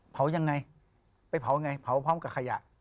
ยังไงไปเผาไงเผาพร้อมกับขยะ